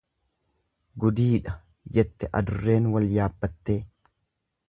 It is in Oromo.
Gudiidha jette adurreen wal yaabbattee.